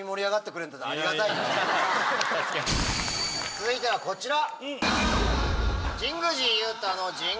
続いてはこちら！